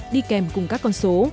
đi kèm cùng các con số